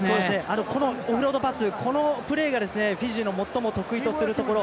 このオフロードパスこのプレーがフィジーの最も得意とするところ。